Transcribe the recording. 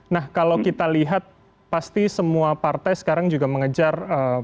nah kalau kita lihat pasti semua partai sekarang juga mengejar